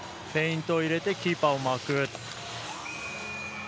フェイントを入れてキーパーをまくる。